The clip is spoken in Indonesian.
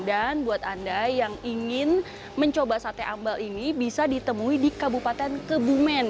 dan buat anda yang ingin mencoba sate ambal ini bisa ditemui di kabupaten kebumen